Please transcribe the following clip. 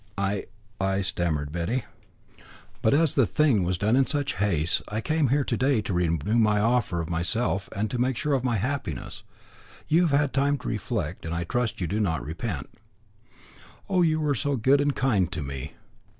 '" "I I " stammered Betty. "But as the thing was done in such haste, I came here to day to renew my offer of myself, and to make sure of my happiness. You have had time to reflect, and I trust you do not repent." "Oh, you are so good and kind to me!"